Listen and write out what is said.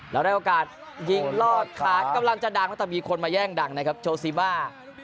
แล้วได้โอกาสยิงรอดขากำลังจะดังแล้วแต่มีคนมาแย่งดังนะครับโชซีมา